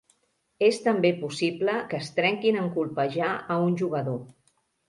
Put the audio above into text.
És també possible que es trenquin en colpejar a un jugador.